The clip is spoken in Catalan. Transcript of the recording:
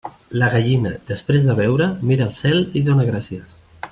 La gallina, després de beure, mira al cel i dóna gràcies.